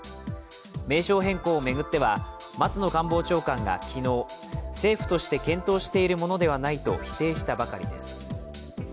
名称変更を巡っては松野官房長官が昨日、政府として検討しているものではないと否定したばかりです。